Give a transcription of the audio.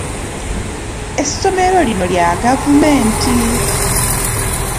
Essomero lino lya gavumenti.